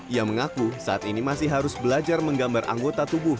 ia mengaku saat ini masih harus belajar menggambar anggota tubuh